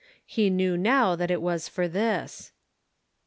He knew now that it was for this.